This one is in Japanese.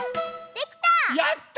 できた！